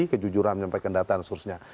kejujuran sampai ke data dan sebagainya